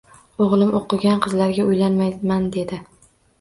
O`g`lim o`qigan qizlarga uylanmayman, dedi